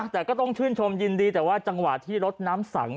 แต่ก็ต้องชื่นชมยินดีแต่ว่าจังหวะที่รถน้ำสัง